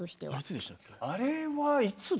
あれはいつだ？